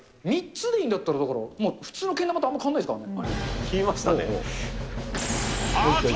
３つでいいんだったら、だから、まあ、普通のけん玉とあんま変わらないですからね。